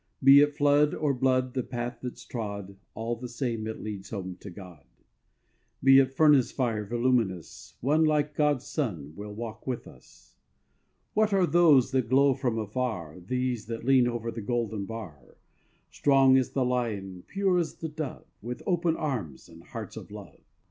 Be it flood or blood the path that's trod, All the same it leads home to God: Be it furnace fire voluminous, One like God's Son will walk with us. What are these that glow from afar, These that lean over the golden bar, Strong as the lion, pure as the dove, With open arms and hearts of love?